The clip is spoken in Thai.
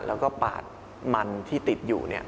แล้วก็ปาดมันที่ติดอยู่